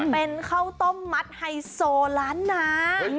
เป็นข้าวต้มมัดไฮโซล้านนา